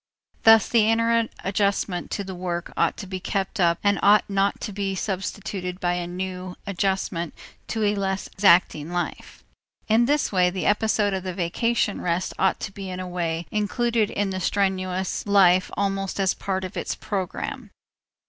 Thus the inner adjustment to the work ought to be kept up and ought not to be substituted by a new adjustment to a less exacting life. In this way the episode of the vacation rest ought to be in a way included in the strenuous life almost as a part of its programme.